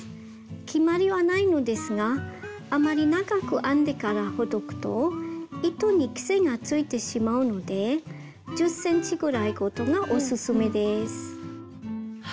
決まりはないのですがあまり長く編んでからほどくと糸に癖がついてしまうので１０ｃｍぐらいごとがオススメです。